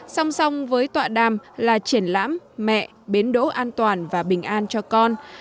song song với tọa đàm là triển lãm mẹ bến đỗ an toàn và bình an cho con